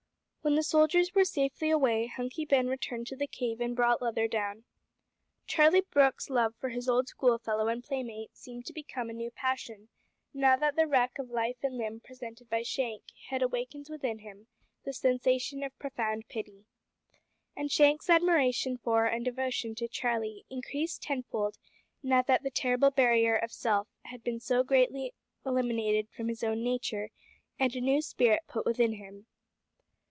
When the soldiers were safely away Hunky Ben returned to the cave and brought Leather down. Charlie Brooke's love for his old school fellow and playmate seemed to become a new passion, now that the wreck of life and limb presented by Shank had awakened within him the sensation of profound pity. And Shank's admiration for and devotion to Charlie increased tenfold now that the terrible barrier of self had been so greatly eliminated from his own nature, and a new spirit put within him.